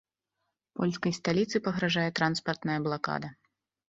Польскай сталіцы пагражае транспартная блакада.